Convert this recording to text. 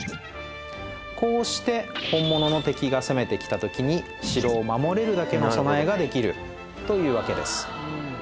こうして本物の敵が攻めてきた時に城を守れるだけの備えができるというわけです